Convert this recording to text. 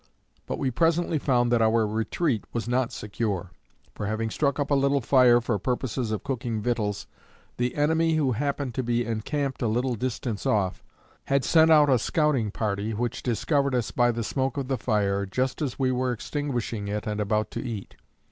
But we presently found that our retreat was not secure. For having struck up a little fire for purposes of cooking victuals, the enemy who happened to be encamped a little distance off, had sent out a scouting party which discovered us by the smoke of the fire, just as we were extinguishing it and about to eat.